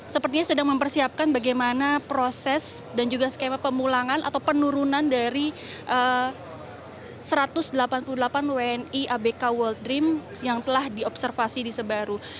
sepertinya sedang mempersiapkan bagaimana proses dan juga skema pemulangan atau penurunan dari satu ratus delapan puluh delapan wni abk world dream yang telah diobservasi di sebaru